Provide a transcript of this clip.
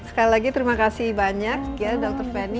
sekali lagi terima kasih banyak ya dr feni